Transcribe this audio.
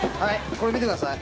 これ見てください。